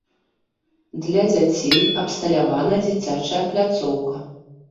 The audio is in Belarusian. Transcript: Для дзяцей абсталявана дзіцячая пляцоўка.